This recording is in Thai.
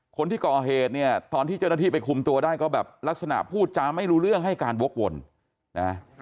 คนที่ก่อเหตุเนี่ยตอนที่เจ้าหน้าที่ไปคุมตัวได้ก็แบบลักษณะพูดจาไม่รู้เรื่องให้การวกวนนะ